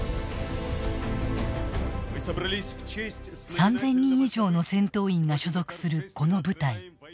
３０００人以上の戦闘員が所属する、この部隊。